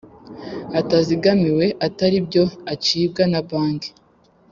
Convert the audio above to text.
itazigamiwe atari byo icibwa na banki